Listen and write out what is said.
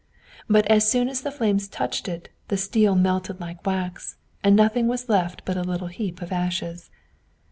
but as soon as the flames touched it, the steel melted like wax, and nothing was left but a little heap of ashes.